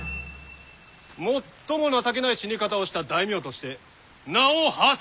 最も情けない死に方をした大名として名をはせるであろう！